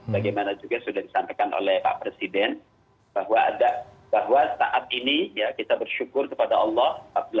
bagaimana juga sudah disampaikan oleh pak presiden bahwa ada bahwa saat ini kita bersyukur kepada allah